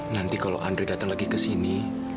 nanti kalau andre datang lagi ke sini